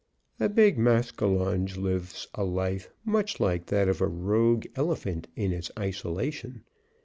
A big maskinonge lives a life much like that of a rogue elephant in its isolation.